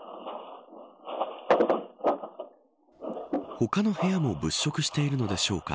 他の部屋も物色しているのでしょうか。